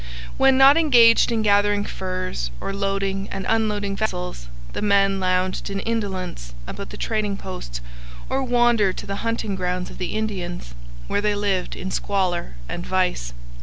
When not engaged in gathering furs or loading and unloading vessels, the men lounged in indolence about the trading posts or wandered to the hunting grounds of the Indians, where they lived in squalor and vice.